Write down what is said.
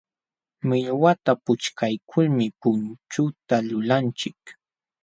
Millwata puchkaykulmi punchuta lulanchik.